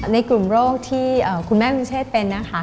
ในกลุ่มโรคที่คุณแม่คุณเชษเป็นนะคะ